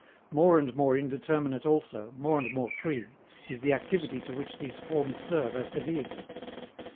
More and more indeterminate also, more and more free, is the activity to which these forms serve as the vehicle.